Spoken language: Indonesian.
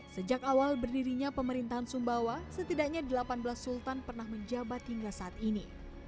sejak awal berdirinya pemerintahan sumbawa setidaknya delapan belas sultan pernah menjabat hingga saat ini